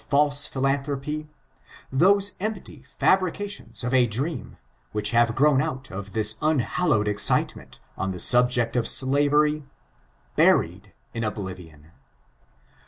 of talae philauthropj ^ose empty fiibrications of a dream — ^which have grown oat of this unhallowed excite ment on the subject of slavery, buried in oblivion.